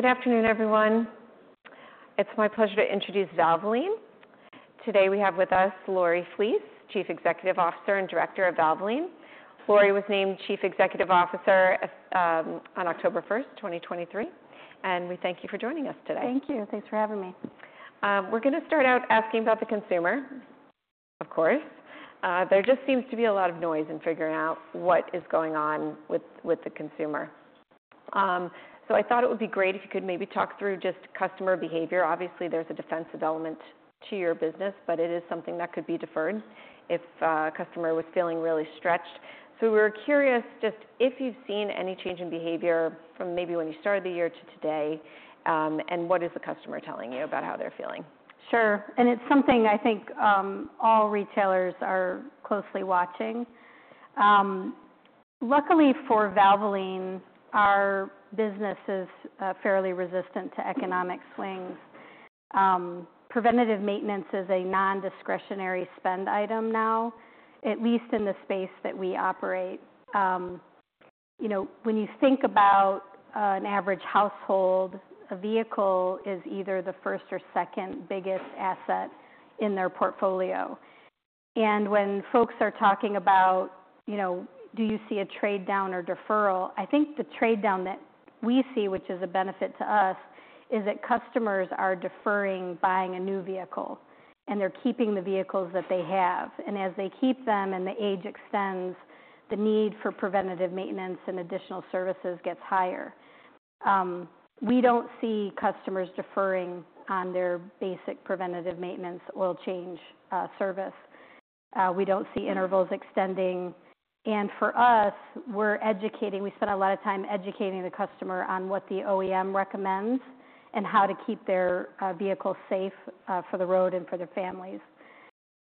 Good afternoon, everyone. It's my pleasure to introduce Valvoline. Today, we have with us Lori Flees, Chief Executive Officer and Director of Valvoline. Lori was named Chief Executive Officer on October 1st, 2023, and we thank you for joining us today. Thank you. Thanks for having me. We're gonna start out asking about the consumer, of course. There just seems to be a lot of noise in figuring out what is going on with, with the consumer. So I thought it would be great if you could maybe talk through just customer behavior. Obviously, there's a defensive element to your business, but it is something that could be deferred if a customer was feeling really stretched. So we were curious just if you've seen any change in behavior from maybe when you started the year to today, and what is the customer telling you about how they're feeling? Sure. And it's something I think all retailers are closely watching. Luckily, for Valvoline, our business is fairly resistant to economic swings. Preventative maintenance is a non-discretionary spend item now, at least in the space that we operate. You know, when you think about an average household, a vehicle is either the first or second biggest asset in their portfolio. And when folks are talking about, you know, do you see a trade down or deferral? I think the trade down that we see, which is a benefit to us, is that customers are deferring buying a new vehicle, and they're keeping the vehicles that they have. And as they keep them, and the age extends, the need for preventative maintenance and additional services gets higher. We don't see customers deferring on their basic preventative maintenance oil change service. We don't see intervals extending, and for us, we're educating. We spend a lot of time educating the customer on what the OEM recommends and how to keep their vehicle safe for the road and for their families,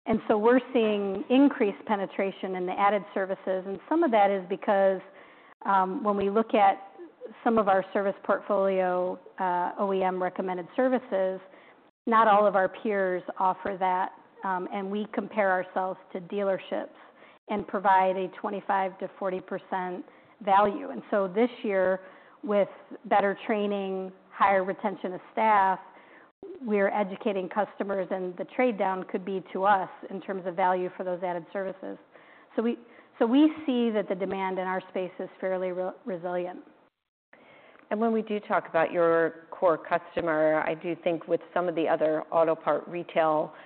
and so we're seeing increased penetration in the added services, and some of that is because, when we look at some of our service portfolio, OEM-recommended services, not all of our peers offer that, and we compare ourselves to dealerships and provide a 25%-40% value. And so this year, with better training, higher retention of staff, we're educating customers, and the trade down could be to us in terms of value for those added services, so we see that the demand in our space is fairly resilient. And when we do talk about your core customer, I do think with some of the other auto part retail companies,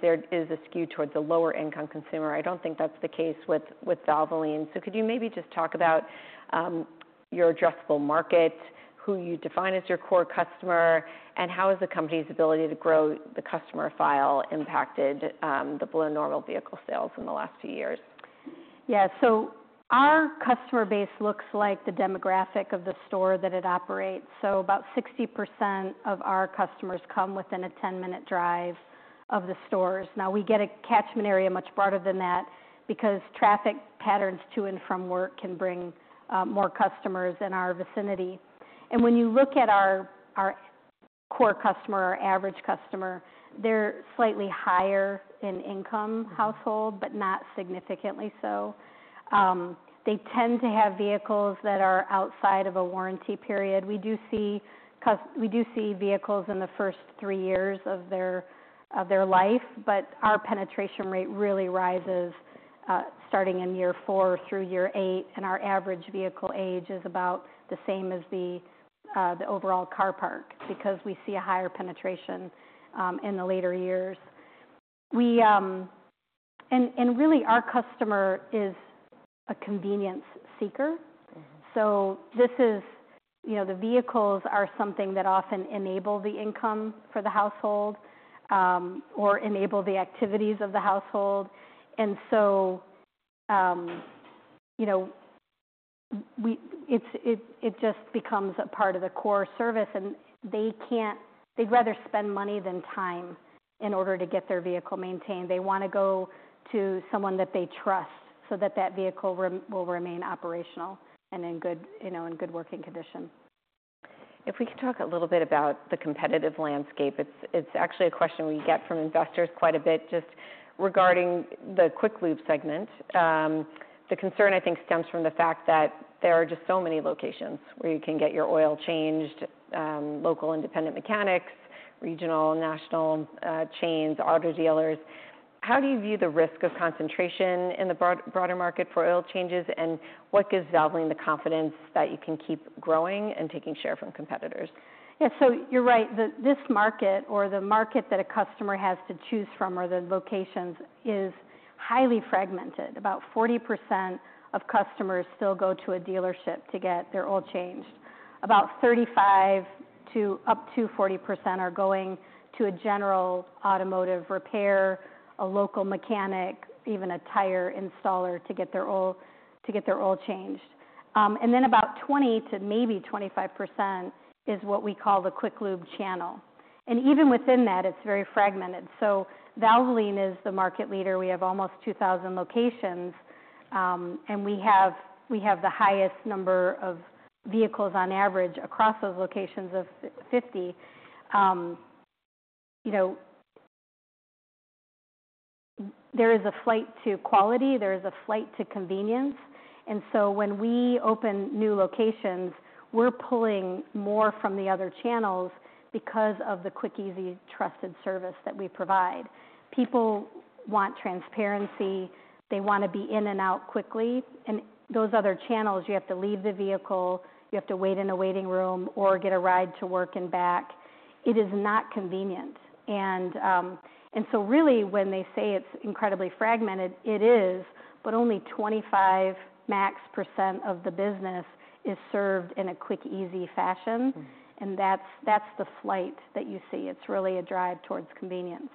there is a skew towards a lower-income consumer. I don't think that's the case with, with Valvoline. So could you maybe just talk about your addressable market, who you define as your core customer, and how has the company's ability to grow the customer file impacted the below normal vehicle sales in the last few years? Yeah. So our customer base looks like the demographic of the store that it operates. So about 60% of our customers come within a 10-minute drive of the stores. Now, we get a catchment area much broader than that because traffic patterns to and from work can bring more customers in our vicinity. And when you look at our core customer or average customer, they're slightly higher in income household but not significantly so. They tend to have vehicles that are outside of a warranty period. We do see vehicles in the first three years of their life, but our penetration rate really rises, starting in year four through year eight, and our average vehicle age is about the same as the overall car parc because we see a higher penetration in the later years. We and really, our customer is a convenience seeker. This is, you know, the vehicles are something that often enable the income for the household, or enable the activities of the household. And so, you know, it just becomes a part of the core service, and they'd rather spend money than time in order to get their vehicle maintained. They wanna go to someone that they trust so that the vehicle will remain operational and in good, you know, in good working condition. If we could talk a little bit about the competitive landscape, it's actually a question we get from investors quite a bit just regarding the quick lube segment. The concern, I think, stems from the fact that there are just so many locations where you can get your oil changed, local independent mechanics, regional, national, chains, auto dealers. How do you view the risk of concentration in the broader market for oil changes, and what gives Valvoline the confidence that you can keep growing and taking share from competitors? Yeah, so you're right. This market or the market that a customer has to choose from or the locations is highly fragmented. About 40% of customers still go to a dealership to get their oil changed. About 35% to up to 40% are going to a general automotive repair, a local mechanic, even a tire installer, to get their oil changed. And then about 20% to maybe 25% is what we call the quick lube channel, and even within that, it's very fragmented. So Valvoline is the market leader. We have almost 2,000 locations, and we have the highest number of vehicles on average across those locations of 50. You know, there is a flight to quality, there is a flight to convenience. And so when we open new locations, we're pulling more from the other channels because of the quick, easy, trusted service that we provide. People want transparency, they want to be in and out quickly. And those other channels, you have to leave the vehicle, you have to wait in a waiting room or get a ride to work and back. It is not convenient. And, and so really, when they say it's incredibly fragmented, it is, but only 25% max of the business is served in a quick, easy fashion. And that's the fleet that you see. It's really a drive towards convenience.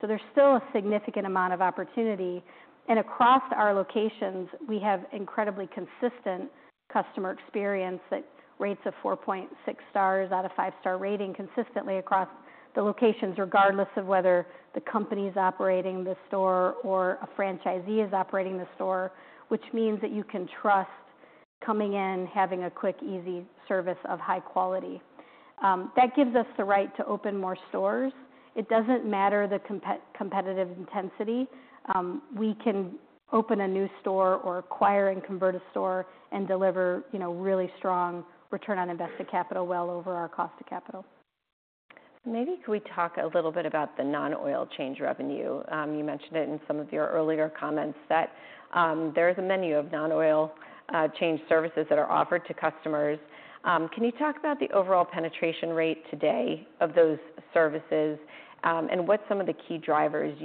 So there's still a significant amount of opportunity. And across our locations, we have incredibly consistent customer experience that rates 4.6 stars out of five-star rating consistently across the locations, regardless of whether the company's operating the store or a franchisee is operating the store, which means that you can trust coming in, having a quick, easy service of high quality. That gives us the right to open more stores. It doesn't matter the competitive intensity. We can open a new store or acquire and convert a store and deliver, you know, really strong return on invested capital well over our cost of capital. Maybe could we talk a little bit about the non-oil change revenue? You mentioned it in some of your earlier comments, that there is a menu of non-oil change services that are offered to customers. Can you talk about the overall penetration rate today of those services, and what some of the key drivers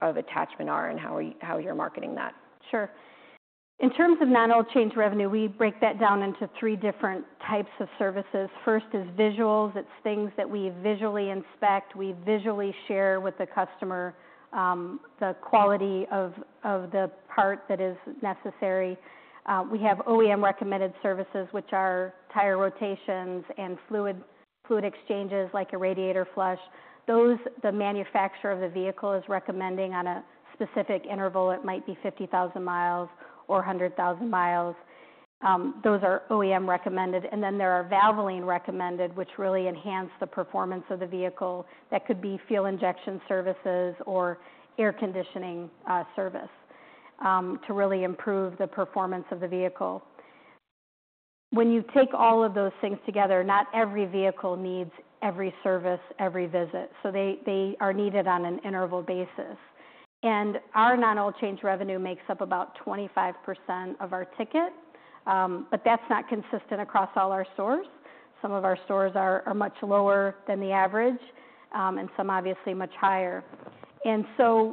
of attachment are and how you're marketing that? Sure. In terms of non-oil change revenue, we break that down into three different types of services. First is visuals. It's things that we visually inspect. We visually share with the customer the quality of the part that is necessary. We have OEM-recommended services, which are tire rotations and fluid exchanges, like a radiator flush. Those, the manufacturer of the vehicle is recommending on a specific interval. It might be 50,000 miles or 100,000 miles. Those are OEM-recommended. And then there are Valvoline-recommended, which really enhance the performance of the vehicle. That could be fuel injection services or air conditioning service to really improve the performance of the vehicle. When you take all of those things together, not every vehicle needs every service, every visit, so they are needed on an interval basis. Our non-oil change revenue makes up about 25% of our ticket, but that's not consistent across all our stores. Some of our stores are much lower than the average, and some obviously much higher.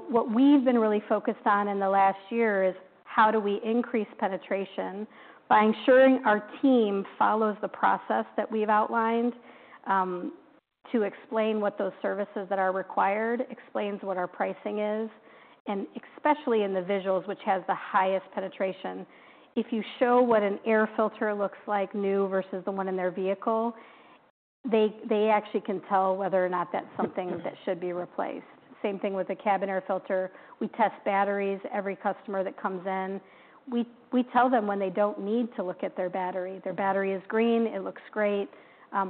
What we've been really focused on in the last year is: How do we increase penetration? By ensuring our team follows the process that we've outlined, to explain what those services that are required, explains what our pricing is, and especially in the visuals, which has the highest penetration. If you show what an air filter looks like new versus the one in their vehicle, they actually can tell whether or not that's something that should be replaced. Same thing with a cabin air filter. We test batteries. Every customer that comes in, we tell them when they don't need to look at their battery. Their battery is green, it looks great.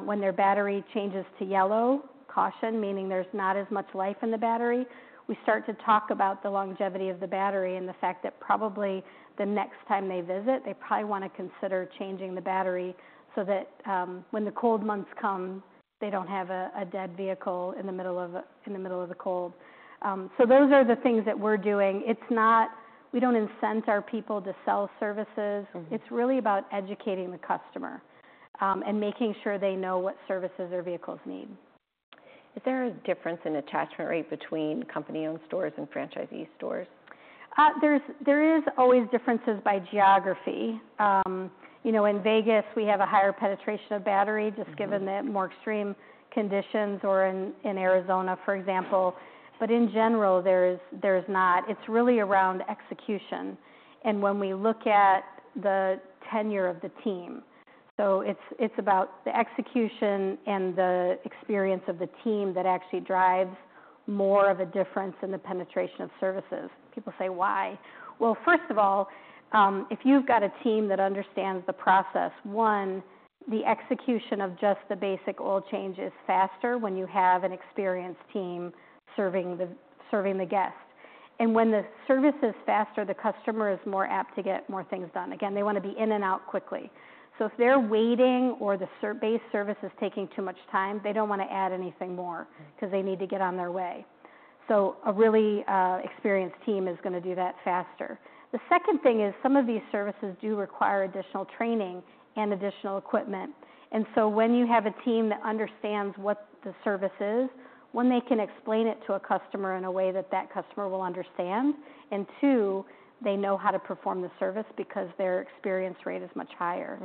When their battery changes to yellow, caution, meaning there's not as much life in the battery, we start to talk about the longevity of the battery and the fact that probably the next time they visit, they probably want to consider changing the battery so that when the cold months come, they don't have a dead vehicle in the middle of the cold. So those are the things that we're doing. It's not... We don't incent our people to sell services. It's really about educating the customer, and making sure they know what services their vehicles need. Is there a difference in attachment rate between company-owned stores and franchisee stores? There is always differences by geography. You know, in Vegas, we have a higher penetration of battery- just given the more extreme conditions, or in Arizona, for example. But in general, there is, there's not. It's really around execution and when we look at the tenure of the team. So it's about the execution and the experience of the team that actually drives more of a difference in the penetration of services. People say, "Why?" Well, first of all, if you've got a team that understands the process, one, the execution of just the basic oil change is faster when you have an experienced team serving the guest. And when the service is faster, the customer is more apt to get more things done. Again, they want to be in and out quickly. So if they're waiting or the base service is taking too much time, they don't want to add anything more cause they need to get on their way. So a really experienced team is gonna do that faster. The second thing is, some of these services do require additional training and additional equipment. And so when you have a team that understands what the service is, one, they can explain it to a customer in a way that that customer will understand, and two, they know how to perform the service because their experience rate is much higher.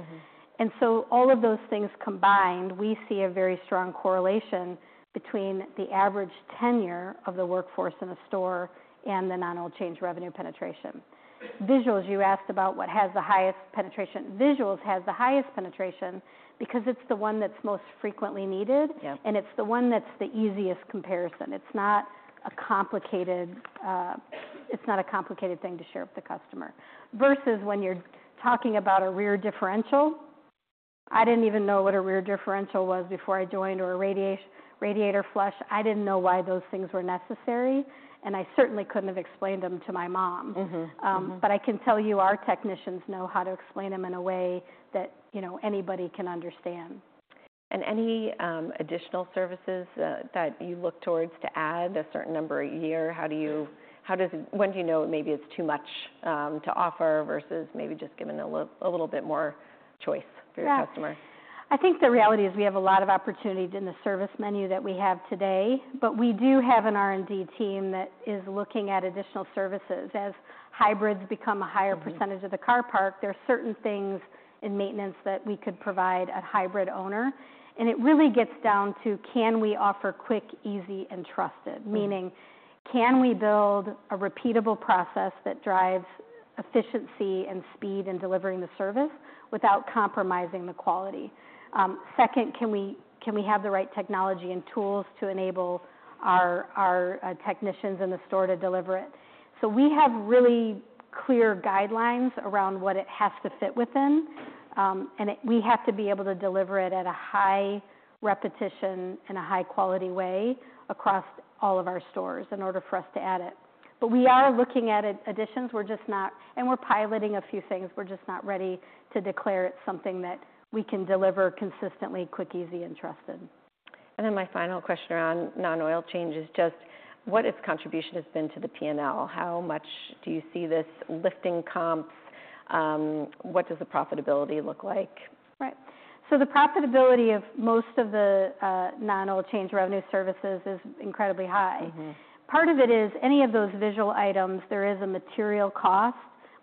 And so all of those things combined, we see a very strong correlation between the average tenure of the workforce in a store and the non-oil change revenue penetration. Visuals, you asked about what has the highest penetration. Visuals has the highest penetration because it's the one that's most frequently needed and it's the one that's the easiest comparison. It's not a complicated thing to share with the customer. Versus when you're talking about a rear differential. I didn't even know what a rear differential was before I joined, or a radiator flush. I didn't know why those things were necessary, and I certainly couldn't have explained them to my mom but I can tell you, our technicians know how to explain them in a way that, you know, anybody can understand. Any additional services that you look towards to add, a certain number a year, when do you know maybe it's too much to offer versus maybe just giving a little bit more choice for your customer? Yeah. I think the reality is, we have a lot of opportunities in the service menu that we have today, but we do have an R&D team that is looking at additional services. As hybrids become a higher percentage of the car parc, there are certain things in maintenance that we could provide a hybrid owner, and it really gets down to, can we offer quick, easy, and trusted? Meaning, can we build a repeatable process that drives efficiency and speed in delivering the service without compromising the quality? Second, can we have the right technology and tools to enable our technicians in the store to deliver it? So we have really clear guidelines around what it has to fit within, and we have to be able to deliver it at a high repetition and a high-quality way across all of our stores in order for us to add it. But we are looking at additions, we're just not. And we're piloting a few things. We're just not ready to declare it's something that we can deliver consistently, quick, easy, and trusted. My final question around non-oil change is just, what its contribution has been to the P&L? How much do you see this lifting comp? What does the profitability look like? Right. So the profitability of most of the non-oil change revenue services is incredibly high. Part of it is, any of those visual items, there is a material cost,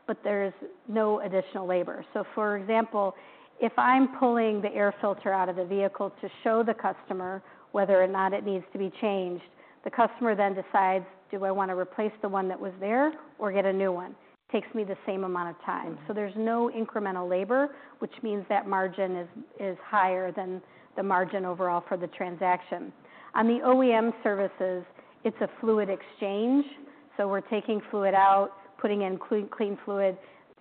but there's no additional labor. So, for example, if I'm pulling the air filter out of the vehicle to show the customer whether or not it needs to be changed, the customer then decides, "Do I wanna replace the one that was there or get a new one?" Takes me the same amount of time. So there's no incremental labor, which means that margin is higher than the margin overall for the transaction. On the OEM services, it's a fluid exchange, so we're taking fluid out, putting in clean fluid.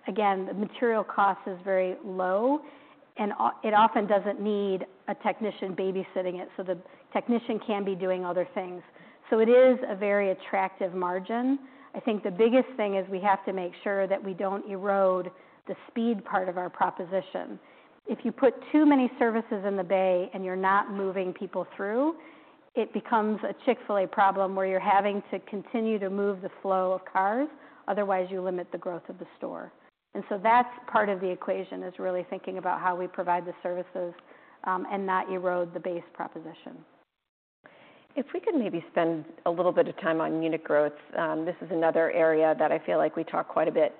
Again, the material cost is very low, and it often doesn't need a technician babysitting it, so the technician can be doing other things. So it is a very attractive margin. I think the biggest thing is we have to make sure that we don't erode the speed part of our proposition. If you put too many services in the bay and you're not moving people through, it becomes a Chick-fil-A problem, where you're having to continue to move the flow of cars, otherwise, you limit the growth of the store. That's part of the equation, is really thinking about how we provide the services, and not erode the base proposition. If we could maybe spend a little bit of time on unit growth. This is another area that I feel like we talk quite a bit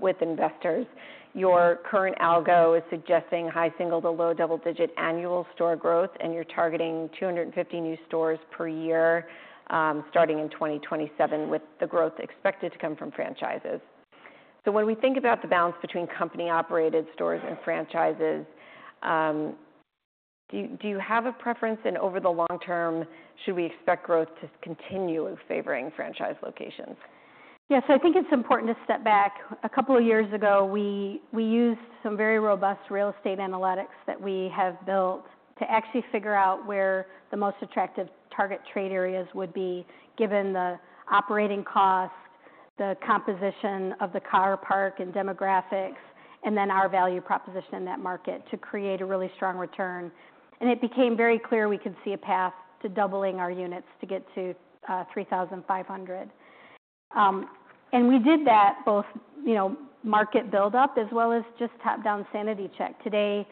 with investors. Your current algo is suggesting high single to low double-digit annual store growth, and you're targeting 250 new stores per year, starting in 2027, with the growth expected to come from franchises. So when we think about the balance between company-operated stores and franchises, do you have a preference, and over the long term, should we expect growth to continue favoring franchise locations? Yes, I think it's important to step back. A couple of years ago, we used some very robust real estate analytics that we have built to actually figure out where the most attractive target trade areas would be, given the operating costs, the composition of the car parc and demographics, and then our value proposition in that market to create a really strong return. It became very clear we could see a path to doubling our units to get to three thousand five hundred. And we did that both, you know, market build-up, as well as just top-down sanity check. Today,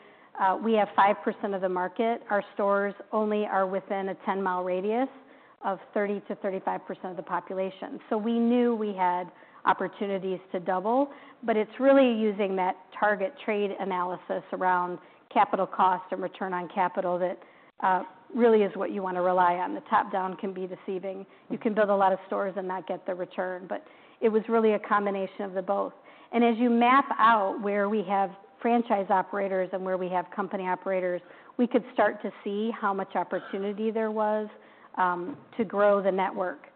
we have 5% of the market. Our stores only are within a 10-mi radius of 30%-35% of the population. So we knew we had opportunities to double, but it's really using that target trade analysis around capital cost and return on capital that really is what you want to rely on. The top-down can be deceiving. You can build a lot of stores and not get the return, but it was really a combination of the both, and as you map out where we have franchise operators and where we have company operators, we could start to see how much opportunity there was to grow the network.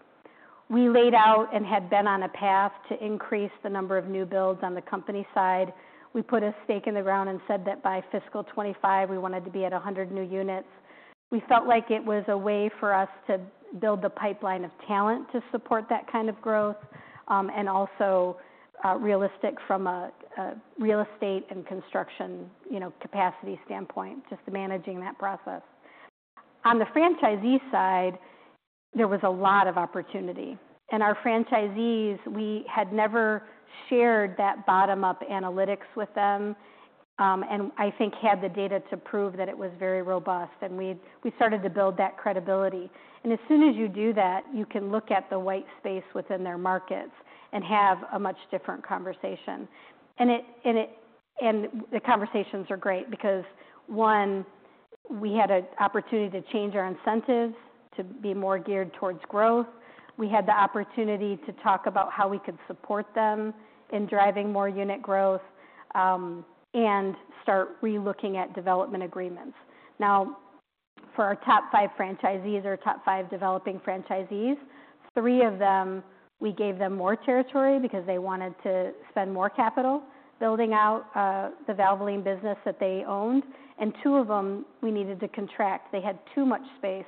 We laid out and had been on a path to increase the number of new builds on the company side. We put a stake in the ground and said that by fiscal 2025, we wanted to be at 100 new units. We felt like it was a way for us to build the pipeline of talent to support that kind of growth, and also realistic from a real estate and construction, you know, capacity standpoint, just managing that process. On the franchisee side, there was a lot of opportunity. And our franchisees, we had never shared that bottom-up analytics with them, and I think had the data to prove that it was very robust, and we started to build that credibility. And as soon as you do that, you can look at the white space within their markets and have a much different conversation. And the conversations are great because, one, we had an opportunity to change our incentives to be more geared towards growth. We had the opportunity to talk about how we could support them in driving more unit growth, and start relooking at development agreements. Now, for our top five franchisees or top five developing franchisees, three of them, we gave them more territory because they wanted to spend more capital building out the Valvoline business that they owned, and two of them, we needed to contract. They had too much space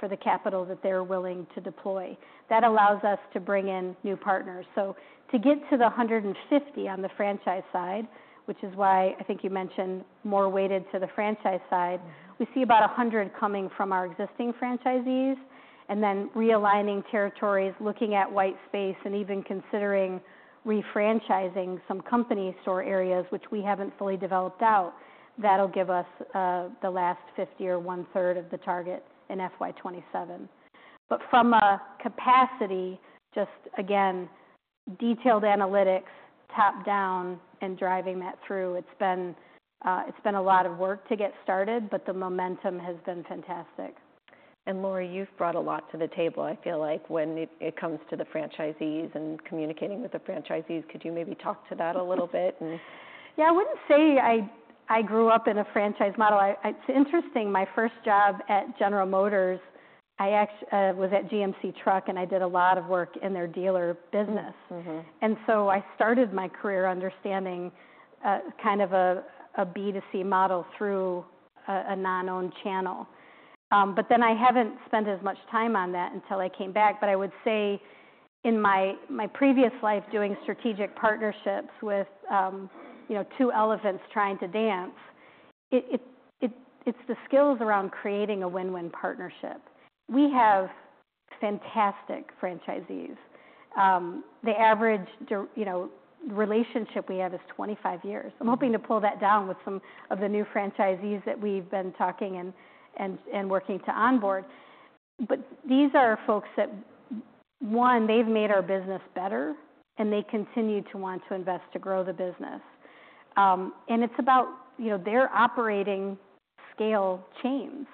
for the capital that they were willing to deploy. That allows us to bring in new partners. So to get to 150 on the franchise side, which is why I think you mentioned more weighted to the franchise side, we see about 100 coming from our existing franchisees, and then realigning territories, looking at white space, and even considering refranchising some company store areas, which we haven't fully developed out. That'll give us the last 50 or 1/3 of the target in FY 2027. But from a capacity, just again, detailed analytics, top-down, and driving that through, it's been a lot of work to get started, but the momentum has been fantastic. Lori, you've brought a lot to the table. I feel like when it comes to the franchisees and communicating with the franchisees, could you maybe talk to that a little bit? Yeah, I wouldn't say I grew up in a franchise model. It's interesting, my first job at General Motors, I was at GMC Truck, and I did a lot of work in their dealer business. I started my career understanding kind of a B2C model through a non-owned channel. But then I haven't spent as much time on that until I came back. But I would say in my previous life, doing strategic partnerships with you know, two elephants trying to dance, it's the skills around creating a win-win partnership. We have fantastic franchisees. The average relationship we have is 25 years. I'm hoping to pull that down with some of the new franchisees that we've been talking and working to onboard. But these are folks that, one, they've made our business better, and they continue to want to invest to grow the business. And it's about, you know, they're operating scale chains,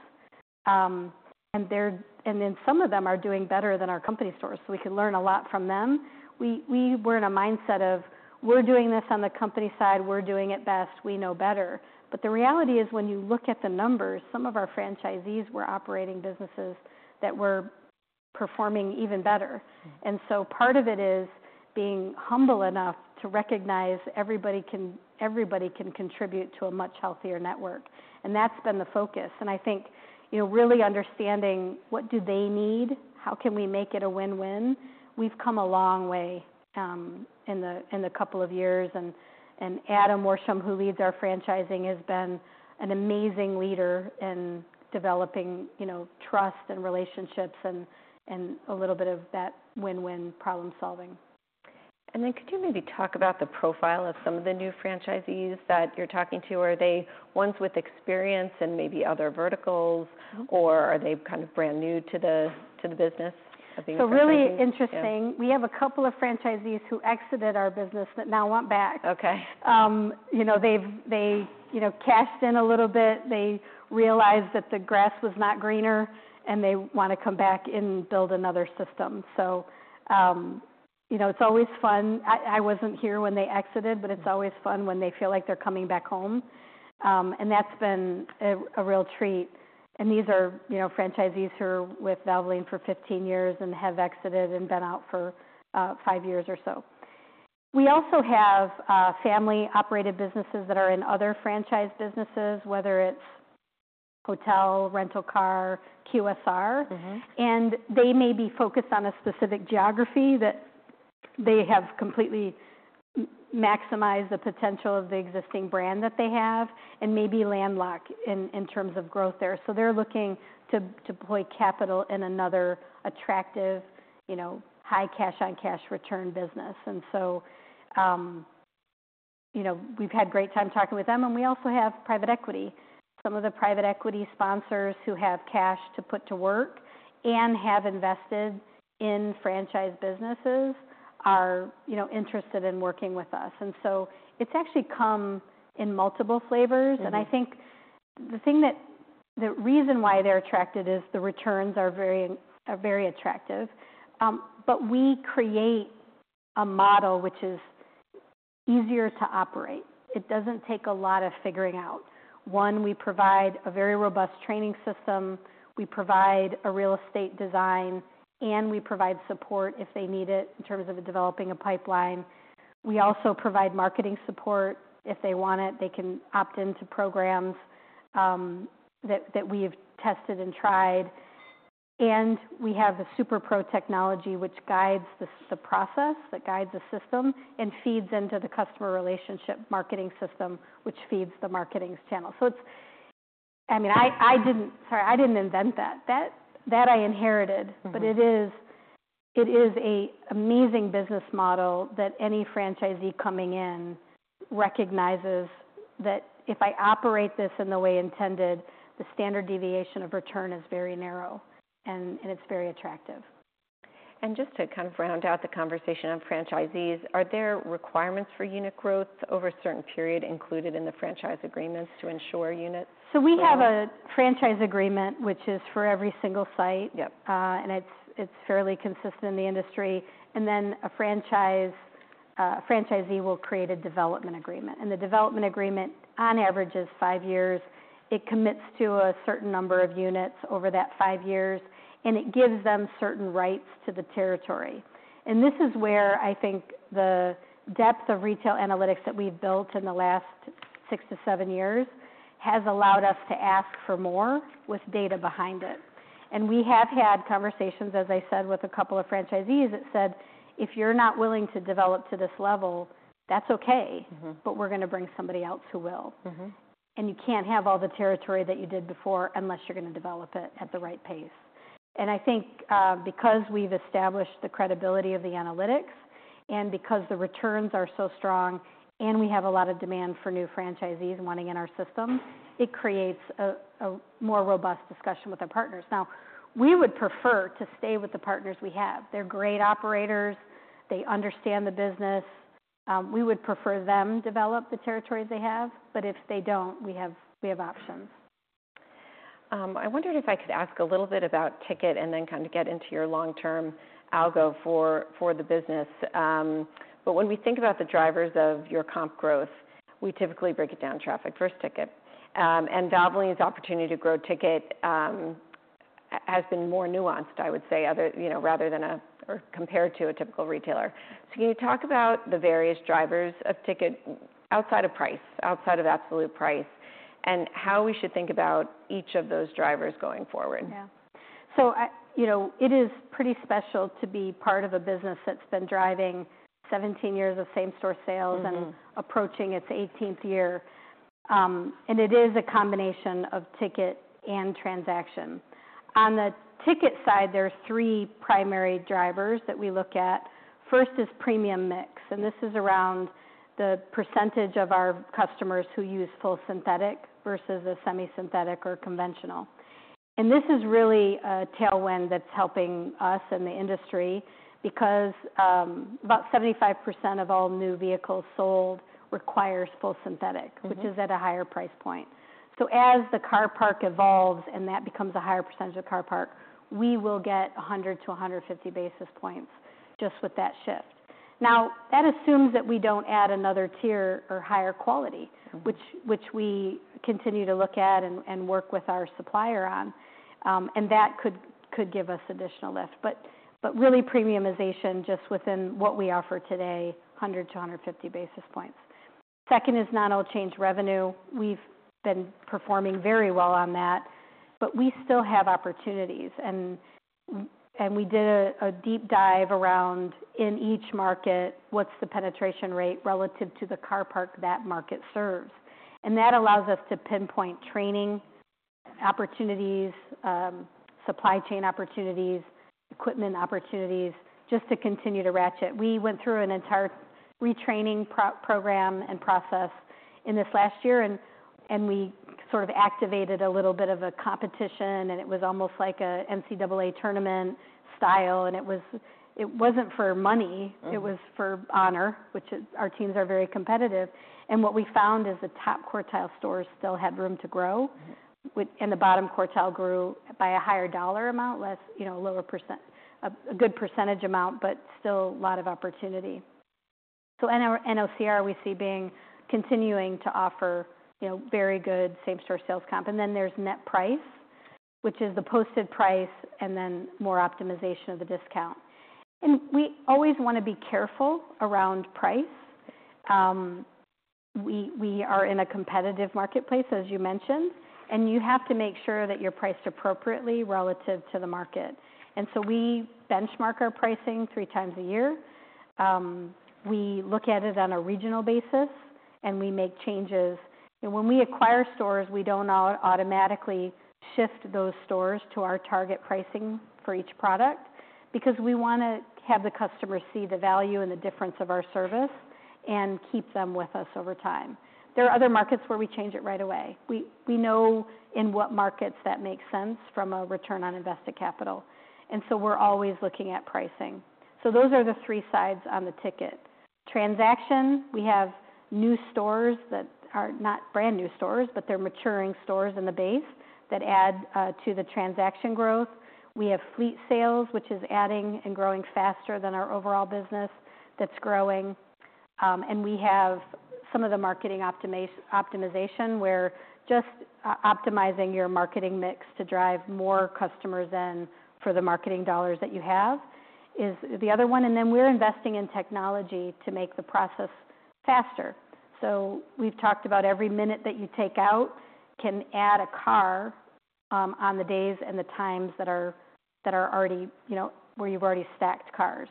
and then some of them are doing better than our company stores, so we can learn a lot from them. We were in a mindset of, "We're doing this on the company side. We're doing it best. We know better." But the reality is, when you look at the numbers, some of our franchisees were operating businesses that were performing even better. And so part of it is being humble enough to recognize everybody can contribute to a much healthier network, and that's been the focus. And I think, you know, really understanding what do they need? How can we make it a win-win? We've come a long way in a couple of years. And Adam Worsham, who leads our franchising, has been an amazing leader in developing, you know, trust and relationships and a little bit of that win-win problem-solving. And then, could you maybe talk about the profile of some of the new franchisees that you're talking to? Are they ones with experience and maybe other verticals or are they kind of brand new to the business of being really interesting. We have a couple of franchisees who exited our business but now want back. You know, they've cashed in a little bit. They realized that the grass was not greener, and they want to come back and build another system. You know, it's always fun. I wasn't here when they exited, but it's always fun when they feel like they're coming back home. That's been a real treat, and these are, you know, franchisees who were with Valvoline for fifteen years and have exited and been out for five years or so. We also have family-operated businesses that are in other franchise businesses, whether it's hotel, rental car, QSR. And they may be focused on a specific geography that they have completely maximized the potential of the existing brand that they have and may be landlocked in terms of growth there. So they're looking to deploy capital in another attractive, you know, high cash-on-cash return business. And so, you know, we've had great time talking with them. And we also have private equity. Some of the private equity sponsors who have cash to put to work and have invested in franchise businesses are, you know, interested in working with us. And so it's actually come in multiple flavors. I think the reason why they're attracted is the returns are very attractive. But we create a model which is easier to operate. It doesn't take a lot of figuring out. One, we provide a very robust training system, we provide a real estate design, and we provide support if they need it, in terms of developing a pipeline. We also provide marketing support. If they want it, they can opt into programs that we have tested and tried. And we have the SuperPro technology, which guides the process that guides the system and feeds into the customer relationship marketing system, which feeds the marketing channel. So it's. I mean, sorry, I didn't invent that. That I inherited. But it is an amazing business model that any franchisee coming in recognizes that, "If I operate this in the way intended, the standard deviation of return is very narrow, and it's very attractive. And just to kind of round out the conversation on franchisees, are there requirements for unit growth over a certain period included in the franchise agreements to ensure unit? So we have a franchise agreement, which is for every single site, and it's fairly consistent in the industry. And then a franchisee will create a development agreement. And the development agreement, on average, is five years. It commits to a certain number of units over that five years, and it gives them certain rights to the territory. And this is where I think the depth of retail analytics that we've built in the last six to seven years has allowed us to ask for more with data behind it. And we have had conversations, as I said, with a couple of franchisees that said, "If you're not willing to develop to this level, that's okay but we're gonna bring somebody else who will. And you can't have all the territory that you did before, unless you're gonna develop it at the right pace." I think, because we've established the credibility of the analytics, and because the returns are so strong, and we have a lot of demand for new franchisees wanting in our system, it creates a more robust discussion with our partners. Now, we would prefer to stay with the partners we have. They're great operators. They understand the business. We would prefer them develop the territories they have, but if they don't, we have options. I wondered if I could ask a little bit about ticket, and then kind of get into your long-term algo for the business. But when we think about the drivers of your comp growth, we typically break it down traffic first ticket. And Valvoline's opportunity to grow ticket has been more nuanced, I would say, other you know, rather than or compared to a typical retailer. So can you talk about the various drivers of ticket, outside of price, outside of absolute price, and how we should think about each of those drivers going forward? Yeah. So you know, it is pretty special to be part of a business that's been driving 17 years of same store sales and approaching its 18th year. And it is a combination of ticket and transaction. On the ticket side, there are three primary drivers that we look at. First is premium mix, and this is around the percentage of our customers who use full synthetic versus a semisynthetic or conventional. And this is really a tailwind that's helping us and the industry because, about 75% of all new vehicles sold requires full synthetic which is at a higher price point. So as the car parc evolves and that becomes a higher percentage of the car parc, we will get 100-150 basis points just with that shift. Now, that assumes that we don't add another tier or higher quality- Which we continue to look at and work with our supplier on. And that could give us additional lift. Really, premiumization just within what we offer today, 100-150 basis points. Second is non-oil change revenue. We've been performing very well on that, but we still have opportunities, and we did a deep dive around in each market, what's the penetration rate relative to the car parc that market serves? And that allows us to pinpoint training opportunities, supply chain opportunities, equipment opportunities, just to continue to ratchet. We went through an entire retraining program and process in this last year and we sort of activated a little bit of a competition, and it was almost like a NCAA tournament style, and it wasn't for money it was for honor, which is, our teams are very competitive, and what we found is the top quartile stores still had room to grow. And the bottom quartile grew by a higher dollar amount, less, you know, a lower percent. A good percentage amount, but still a lot of opportunity. So NOCR, we see being continuing to offer, you know, very good same store sales comp. And then there's net price, which is the posted price, and then more optimization of the discount. And we always wanna be careful around price. We are in a competitive marketplace, as you mentioned, and you have to make sure that you're priced appropriately relative to the market. And so we benchmark our pricing three times a year. We look at it on a regional basis, and we make changes. And when we acquire stores, we don't automatically shift those stores to our target pricing for each product, because we wanna have the customer see the value and the difference of our service and keep them with us over time. There are other markets where we change it right away. We know in what markets that makes sense from a return on invested capital, and so we're always looking at pricing. So those are the three sides on the ticket. Transaction, we have new stores that are not brand-new stores, but they're maturing stores in the base that add to the transaction growth. We have fleet sales, which is adding and growing faster than our overall business that's growing. And we have some of the marketing optimization, where just optimizing your marketing mix to drive more customers in for the marketing dollars that you have, is the other one. And then we're investing in technology to make the process faster. So we've talked about every minute that you take out can add a car, on the days and the times that are already, you know, where you've already stacked cars.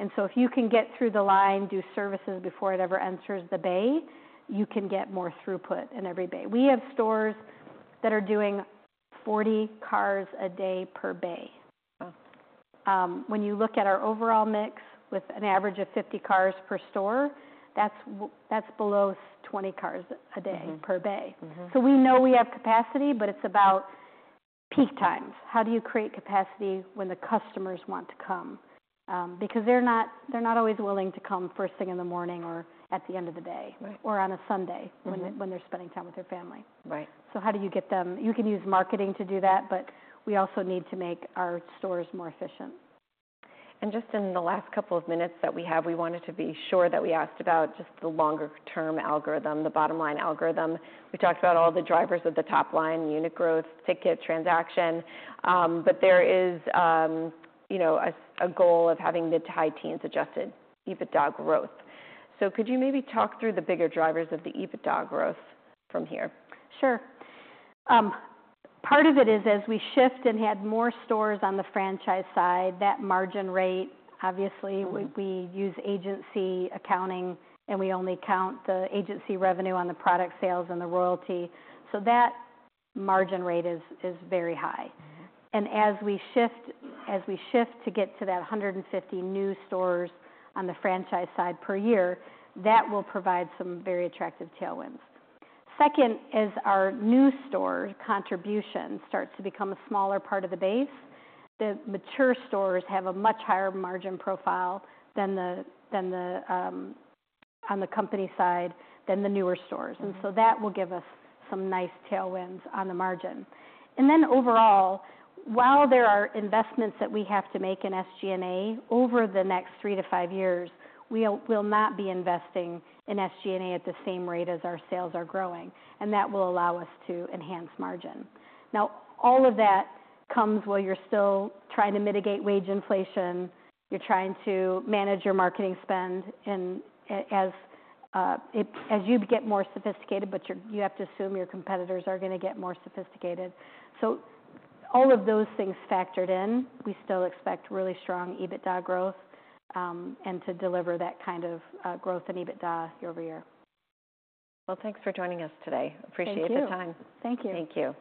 And so if you can get through the line, do services before it ever enters the bay, you can get more throughput in every bay. We have stores that are doing 40 cars a day per bay. Wow! When you look at our overall mix, with an average of 50 cars per store, that's below 20 cars a day per bay. So we know we have capacity, but it's about peak times. How do you create capacity when the customers want to come? Because they're not always willing to come first thing in the morning or at the end of the day or on a Sunday when they're spending time with their family. So how do you get them? You can use marketing to do that, but we also need to make our stores more efficient. And just in the last couple of minutes that we have, we wanted to be sure that we asked about just the longer term algorithm, the bottom line algorithm. We talked about all the drivers of the top line, unit growth, ticket transaction, but there is, you know, a goal of having mid- to high-teens Adjusted EBITDA growth. So could you maybe talk through the bigger drivers of the EBITDA growth from here? Sure. Part of it is as we shift and had more stores on the franchise side, that margin rate, obviously, we use agency accounting, and we only count the agency revenue on the product sales and the royalty. So that margin rate is very high. And as we shift to get to that 150 new stores on the franchise side per year, that will provide some very attractive tailwinds. Second is our new store contribution starts to become a smaller part of the base. The mature stores have a much higher margin profile than the on the company side than the newer stores. That will give us some nice tailwinds on the margin. Then overall, while there are investments that we have to make in SG&A, over the next three to five years, we'll not be investing in SG&A at the same rate as our sales are growing, and that will allow us to enhance margin. Now, all of that comes while you're still trying to mitigate wage inflation, you're trying to manage your marketing spend, and, as you get more sophisticated, but you have to assume your competitors are gonna get more sophisticated. All of those things factored in, we still expect really strong EBITDA growth, and to deliver that kind of growth in EBITDA year-over-year. Well, thanks for joining us today. Thank you. Appreciate the time. Thank you. Thank you.